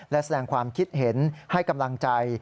และแสดงความคิดเห็นให้กำลังใจ